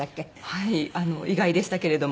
はい意外でしたけれども。